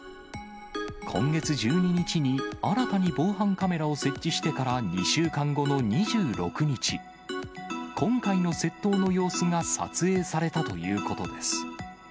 今月１２日に新たに防犯カメラを設置してから２週間後の２６日、今回の窃盗の様子が撮影されたということです。